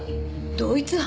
同一犯？